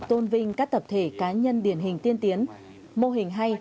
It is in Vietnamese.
tôn vinh các tập thể cá nhân điển hình tiên tiến mô hình hay